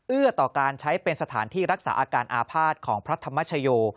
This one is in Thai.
ต่อการใช้เป็นสถานที่รักษาอาการอาภาษณ์ของพระธรรมชโย